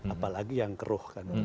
apalagi yang keruh